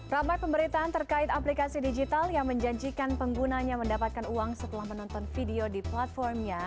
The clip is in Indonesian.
ramai pemberitaan terkait aplikasi digital yang menjanjikan penggunanya mendapatkan uang setelah menonton video di platformnya